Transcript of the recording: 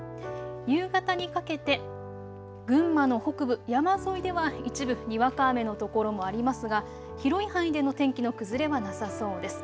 夕方にかけて群馬の北部、山沿いでは一部にわか雨の所もありますが広い範囲での天気の崩れはなさそうです。